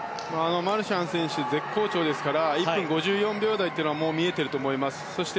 マルシャン選手絶好調ですから１分５４秒台というのは見えていると思います。